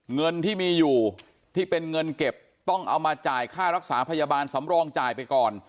เงินที่มีอยู่ที่เป็นเงินเก็บต้องเอามาจ่ายค่ารักษาพยาบาลสำรองจ่ายไปก่อน